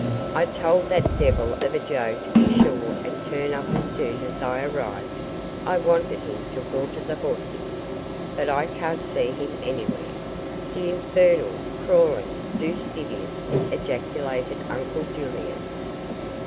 "I told that devil of a Joe to be sure and turn up as soon as I arrived. I wanted him to water the horses, but I can't see him anywhere the infernal, crawling, doosed idiot!" ejaculated uncle Julius.